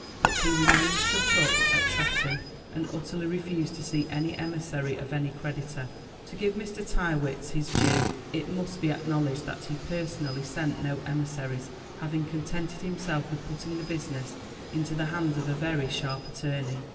But he remained shut up at Tretton, and utterly refused to see any emissary of any creditor. To give Mr. Tyrrwhit his due, it must be acknowledged that he personally sent no emissaries, having contented himself with putting the business into the hands of a very sharp attorney.